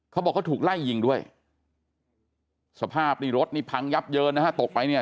เขาบอกเขาถูกไล่ยิงด้วยสภาพนี่รถนี่พังยับเยินนะฮะตกไปเนี่ย